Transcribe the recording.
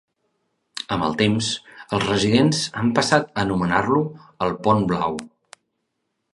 Amb el temps, els residents han passat a anomenar-lo el Pont Blau.